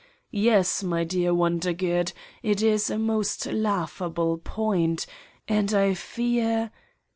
Yes, my dear Won dergood, it is a most laughable point and I fear.